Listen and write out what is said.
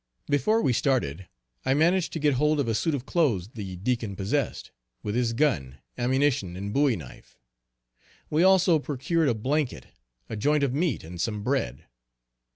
Before we started, I managed to get hold of a suit of clothes the Deacon possessed, with his gun, ammunition and bowie knife. We also procured a blanket, a joint of meat, and some bread.